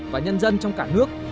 và nhân dân trong cả nước